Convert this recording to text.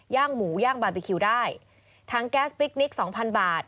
ย่างหมูย่างบาร์บีคิวได้ทั้งแก๊สพิกนิก๒๐๐๐บาท